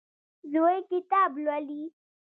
زوی کتاب لولي.